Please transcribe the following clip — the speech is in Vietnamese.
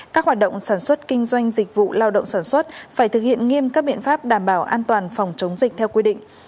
các hoạt động sản xuất kinh doanh dịch vụ lao động sản xuất phải thực hiện nghiêm các biện pháp đảm bảo an toàn phòng chống dịch theo quy định